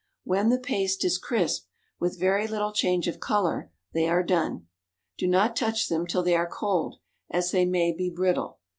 When the paste is crisp, with very little change of color, they are done. Do not touch them till they are cold, as they may be brittle.